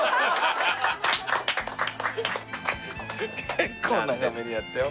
結構長めにやったよ。